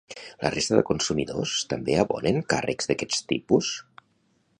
La resta de consumidors també abonen càrrecs d'aquest tipus?